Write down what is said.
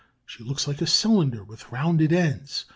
She looks like a cylinder with rounded ends.